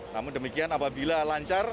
namun demikian apabila lancar